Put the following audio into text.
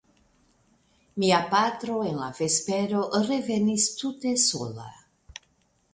Mia patro en la vespero revenis tute sola.